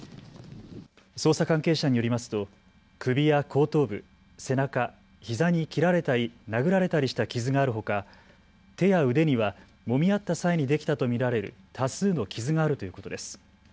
捜査関係者によりますと首や後頭部、背中、ひざに切られたり殴られたりした傷があるほか、手や腕にはもみ合った際にできたと見られる多数の傷があるということです。